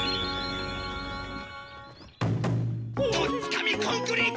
とっつかみコンクリート！